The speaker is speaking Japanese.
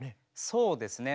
そうですね。